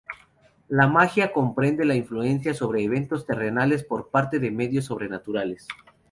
La magia comprende la influencia sobre eventos terrenales por parte de medios sobrenaturales.